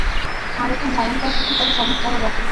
আর এটা ভয়ঙ্কর ঠিকই, তবে চমৎকারও বটে।